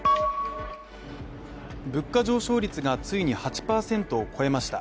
物価上昇率がついに８％を超えました。